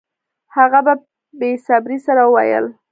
هغه په بې صبرۍ سره وویل